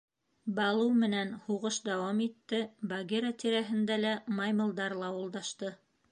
Балу менән һуғыш дауам итте, Багира тирәһендә лә маймылдар лауылдашты.